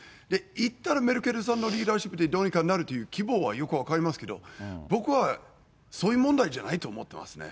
いったらメルケルさんのリーダーシップでどうにかなるという希望はよく分かりますけど、僕は、そういう問題じゃないと思ってますね。